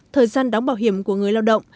thời gian đóng bảo hiểm của người lao động